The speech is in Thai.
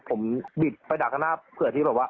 ผมบิดไปดักข้างหน้าเผื่อที่แบบว่า